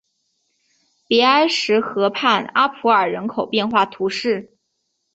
比埃什河畔阿普尔人口变化图示